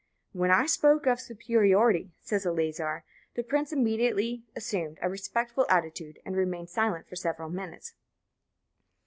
"When I spoke of superiority," says Eleazar, "the prince immediately assumed a respectful attitude, and remained silent for several minutes."